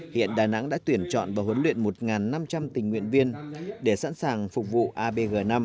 hiện đà nẵng đã tuyển chọn và huấn luyện một năm trăm linh tình nguyện viên để sẵn sàng phục vụ abg năm